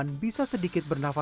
yang masih apa saja ada